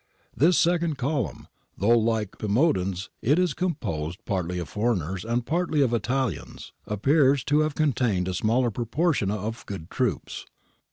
This second column, though like Pimodan's it was composed partly of foreigners and partly of Italians, appears to have contained a smaller proportion of good troops.